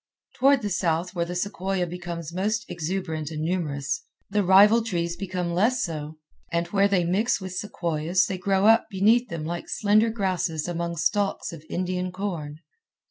Toward the south where the sequoia becomes most exuberant and numerous, the rival trees become less so; and where they mix with sequoias they grow up beneath them like slender grasses among stalks of Indian corn.